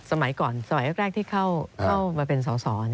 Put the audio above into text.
สมัยก่อนสมัยแรกที่เข้ามาเป็นสอสอ